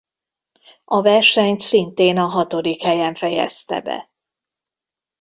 A versenyt szintén a hatodik helyen fejezte be.